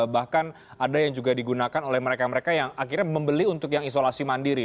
bahkan ada yang juga digunakan oleh mereka mereka yang akhirnya membeli untuk yang isolasi mandiri